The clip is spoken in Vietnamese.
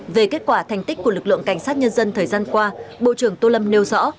về kết quả thành tích của lực lượng cảnh sát nhân dân thời gian qua bộ trưởng tô lâm nêu rõ